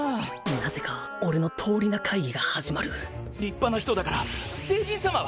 なぜか俺の通り名会議が始まる立派な人だから聖人様は？